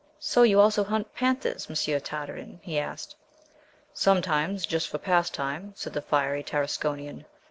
"So you also hunt panthers, Monsieur Tartarin?" he asked. "Sometimes, just for pastime," said the fiery Tarasconian.